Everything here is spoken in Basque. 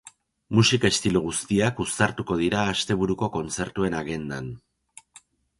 Musika estilo guztiak uztartuko dira asteburuko kontzertuen agendan.